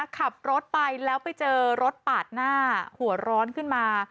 ขับรถไปแล้วไปเจอรถปาดหน้าหัวร้อนขึ้นมา